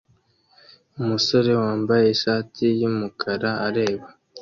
Umusore wambaye ishati yumukara areba